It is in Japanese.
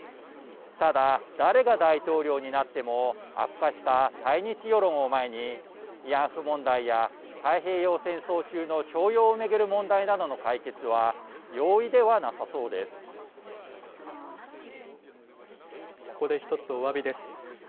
ただ、誰が大統領になっても、悪化した対日世論を前に、慰安婦問題や、太平洋戦争中の徴用を巡る問題などの解決は、容易ではなさそうでここで一つ、おわびです。